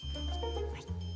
はい。